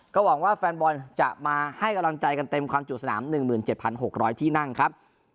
ก็หวังว่าแฟนบอลจะมาให้กำลังใจกันเต็มความจุสนาม๑๗๖๐๐ที่นั่งครับ